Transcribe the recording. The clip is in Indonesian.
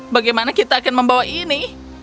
bagaimana kita akan membawa ini